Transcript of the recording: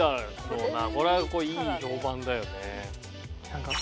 これはいい評判だよね。